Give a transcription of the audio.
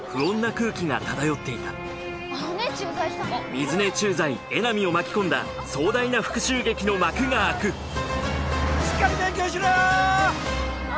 水根駐在江波を巻き込んだ壮大な復しゅう劇の幕が開くしっかり勉強しろよ！